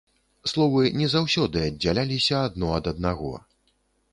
Словы не заўсёды аддзяляліся адно ад аднаго.